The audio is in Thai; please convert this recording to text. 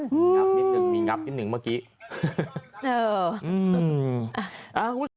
มีงับนิดหนึ่งเมื่อกี้